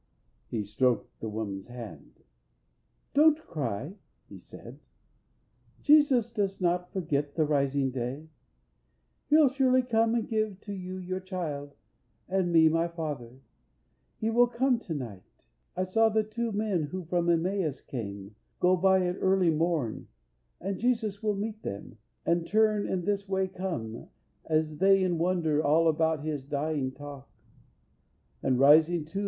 He stroked the woman's hand: "Don't cry," he said, "Jesus does not forget the Rising Day, He'll surely come and give to you your child And me my father He will come to night. I saw the two men who from Emmaus came, Go by at early morn, and Jesus will Meet them, and turn and this way come, as they In wonder all about His dying talk, And rising too.